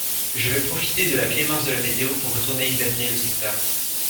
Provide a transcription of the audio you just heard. Je vais profiter de la clémence de la météo pour retourner examiner le secteur.